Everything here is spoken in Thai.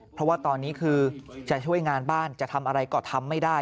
เพราะว่าตอนนี้คือจะช่วยงานบ้านจะทำอะไรก็ทำไม่ได้